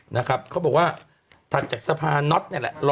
นะครับเขาบอกว่าถัดจากสะพานน็อตนี่แหละ